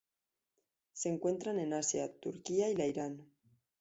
Se encuentran en Asia: Turquía y la Irán.